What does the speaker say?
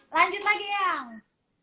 lanjut lagi eyang